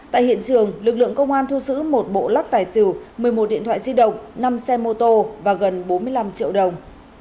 tại hiện trường lực lượng công an thu giữ một bộ lắc tài xỉu một mươi một điện thoại di động năm xe mô tô và gần bốn mươi năm triệu đồng